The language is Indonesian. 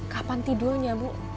kapan tidurnya bu